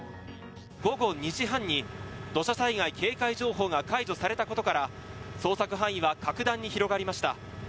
午後２時半に土砂災害警戒情報が解除されたことから捜索範囲は格段に広がりました。